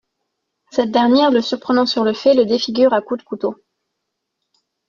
Cette dernière le surprenant sur le fait le défigure à coup de couteaux.